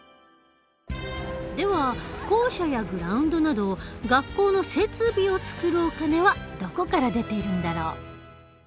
では校舎やグラウンドなど学校の設備を作るお金はどこから出ているんだろう？